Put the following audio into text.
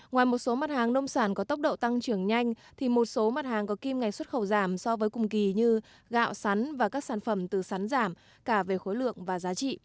ngoài một số mặt hàng nông sản có tốc độ tăng trưởng nhanh thì một số mặt hàng có kim ngạch xuất khẩu giảm so với cùng kỳ như gạo sắn và các sản phẩm từ sắn giảm cả về khối lượng và giá trị